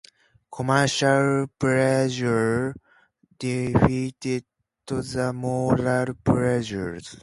Commercial pressure defeated the moral pressures.